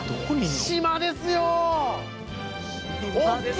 島ですよ！